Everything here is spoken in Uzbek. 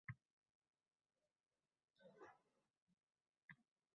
Ayrim xatolarni qilmasligim mumkin.